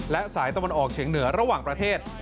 และสายตะวันออกเฉียงเหนือระหว่างประเทศ